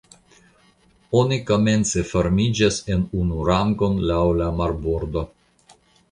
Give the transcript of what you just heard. oni komence formiĝas en unu rangon laŭ la marbordo.